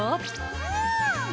うん！